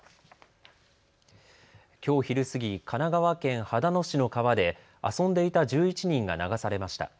きょう昼過ぎ、神奈川県秦野市の川で遊んでいた１１人が流されました。